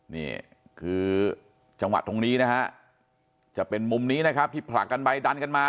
นี่คือจังหวะตรงนี้นะฮะจะเป็นมุมนี้นะครับที่ผลักกันไปดันกันมา